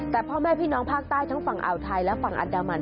แต่พ่อแม่พี่น้องภาคใต้ทั้งฝั่งอ่าวไทยและฝั่งอันดามัน